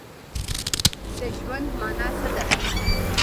د ژوند مانا څه ده؟